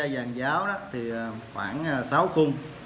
giàn giáo khoảng sáu khung